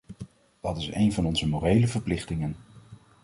Dat is een van onze morele verplichtingen.